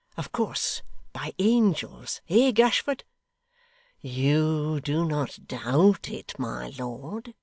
'Of course by angels eh Gashford?' 'You do not doubt it, my lord?